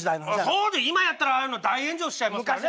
そう今やったら大炎上しちゃいますから。